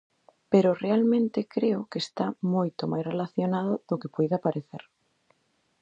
Pero realmente creo que está moito máis relacionado do que poida parecer.